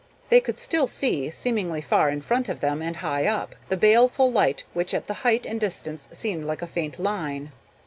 They could still see, seemingly far in front of them and high up, the baleful light which at the height and distance seemed like a faint line.